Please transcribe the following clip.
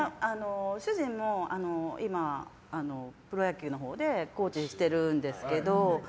主人も今、プロ野球のほうでコーチしてるんですけど。